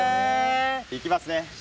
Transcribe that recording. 行きますね。